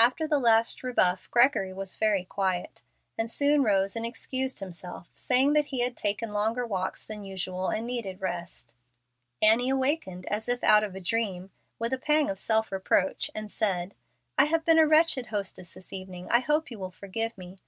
After the last rebuff, Gregory was very quiet, and soon rose and excused himself, saying that he had taken longer walks than usual and needed rest. Annie awakened, as if out of a dream, with a pang of self reproach, and said, "I have been a wretched hostess this evening. I hope you will forgive me.